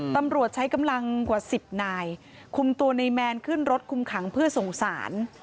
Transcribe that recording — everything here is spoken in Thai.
ตำรวจใช้กำลังกว่าสิบนายคุมตัวในแมนขึ้นรถคุมขังเพื่อสงสาร